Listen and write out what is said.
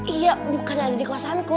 iya bukan ada di kekuasaanku